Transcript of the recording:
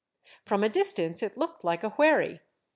From a dis tance it looked like a wherry.